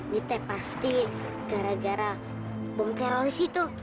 nih teh pasti gara gara bom teroris itu